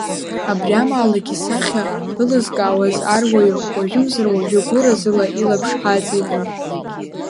Абри амаалықь исахьа ылызкаауаз аруаҩы уажәымзар-уажәы гәыразыла илаԥш ҳааҵигон.